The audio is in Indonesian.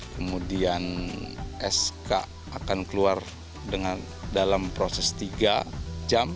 kemudian sk akan keluar dalam proses tiga jam